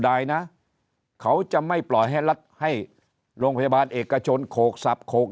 ได้นะเขาจะไม่ปล่อยให้รัฐให้โรงพยาบาลเอกชนโขกสับโขก